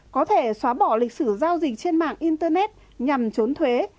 có thể xóa bỏ lịch sử giao dịch trên mạng internet nhằm trốn thuế